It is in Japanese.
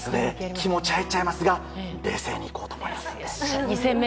気持ち入っちゃいますが冷静に行こうと思います。